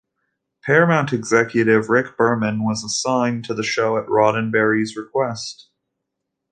Paramount executive Rick Berman was assigned to the show at Roddenberry's request.